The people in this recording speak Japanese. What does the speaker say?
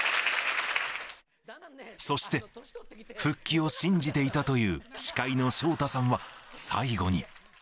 そして、復帰を信じていたという司会の昇太さんは、最後に。